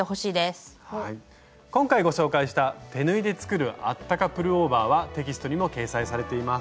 今回ご紹介した手縫いで作るあったかプルオーバーはテキストにも掲載されています。